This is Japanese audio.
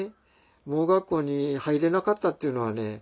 盲学校に入れなかったっていうのはね